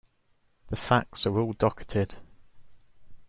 The facts are all docketed.